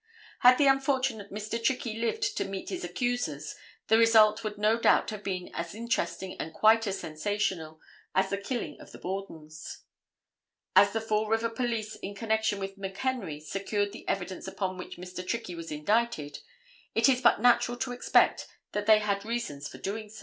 Had the unfortunate Mr. Trickey lived to meet his accusers the result would no doubt have been as interesting and quite as sensational as the killing of the Bordens. As the Fall River police in connection with McHenry secured the evidence upon which Mr. Trickey was indicted, it is but natural to expect that they had reasons for so doing.